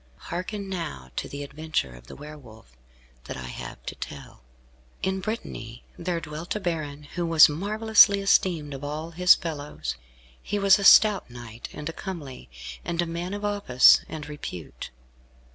Hearken, now, to the adventure of the Were Wolf, that I have to tell. In Brittany there dwelt a baron who was marvellously esteemed of all his fellows. He was a stout knight, and a comely, and a man of office and repute.